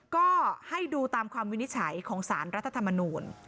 ก็ให้ดูตามคำวินิจฉัยของสารรัฐธรรมนูล